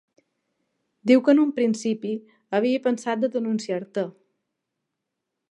Diu que en un principi havia pensat de denunciar-te.